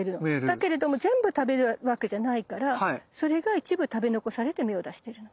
だけれども全部食べるわけじゃないからそれが一部食べ残されて芽を出してるの。